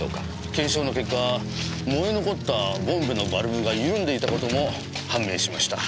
検証の結果燃え残ったボンベのバルブが緩んでいたことも判明しました。